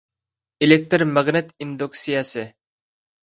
ئېلېكتىر ماگنىت ئىندۇكسىيەسى